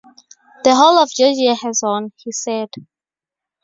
"The whole of Georgia has won," he said.